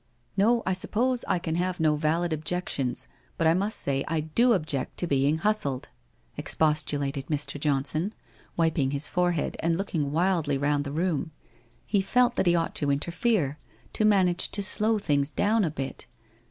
* So, 1 supple I COD have no valid objections, but I must say I do object to be hustled,' expostulated Mr. Johnson, wiping his forehead and looking wildly round tho room. He felt that he ought to interfere, to manage to Blow things down a bit.